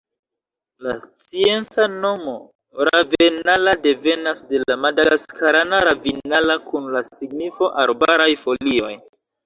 La scienca nomo "Ravenala" devenas de madagaskarana "ravinala" kun la signifo "arbaraj folioj".